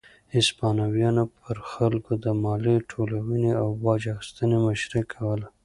هسپانویانو پر خلکو د مالیې ټولونې او باج اخیستنې مشري کوله.